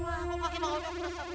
aku mau pake mang uja